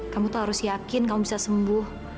kamu tuh harus yakin kamu bisa sembuh